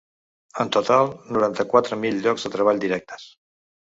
En total, noranta-quatre mil llocs de treball directes.